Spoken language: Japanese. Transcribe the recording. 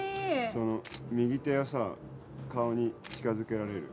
その右手をさ顔に近づけられる？